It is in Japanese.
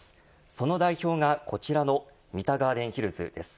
その代表がこちらの三田ガーデンヒルズです。